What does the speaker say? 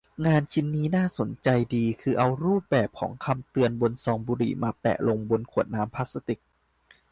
งานชิ้นนี้น่าสนใจดี คือเอารูปแบบของคำเตือนบนซองบุหรี่มาแปะลงบนขวดน้ำพลาสติก